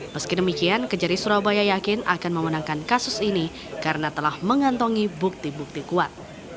meski demikian kejari surabaya yakin akan memenangkan kasus ini karena telah mengantongi bukti bukti kuat